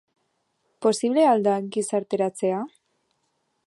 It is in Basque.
Posible al da gizarteratzea?